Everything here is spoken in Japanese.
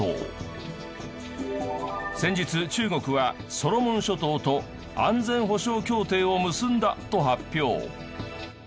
先日中国はソロモン諸島と安全保障協定を結んだと発表。